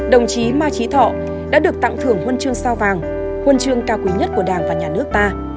đồng chí ma trí thọ đã được tặng thưởng huân chương sao vàng huân chương cao quý nhất của đảng và nhà nước ta